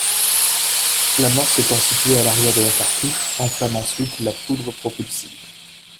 L'amorce étant située à l'arrière de la cartouche enflamme ensuite la poudre propulsive.